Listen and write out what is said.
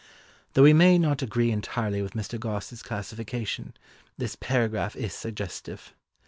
Though we may not agree entirely with Mr. Gosse's classification, this paragraph is suggestive.